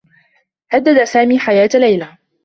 هدّد سامي حياة ليلى.